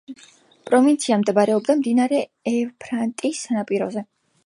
პროვინცია მდებარეობდა მდინარე ევფრატის სანაპიროზე.